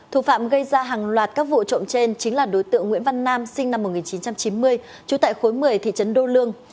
thủ phạm gây ra hàng loạt các vụ trộm trên chính là đối tượng nguyễn văn nam sinh năm một nghìn chín trăm chín mươi trú tại khối một mươi thị trấn đô lương